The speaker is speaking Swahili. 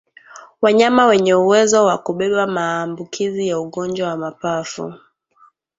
Wanyama wenye uwezo wa kubeba maambukizi ya ugonjwa wa mapafu